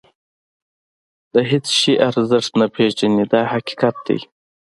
د هېڅ شي ارزښت نه پېژني دا حقیقت دی.